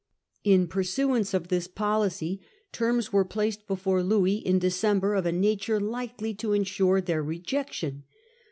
In pursuance of this policy, terms were placed before Louis in December of a nature likely to insure their rejectipn.